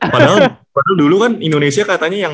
padahal dulu kan indonesia katanya yang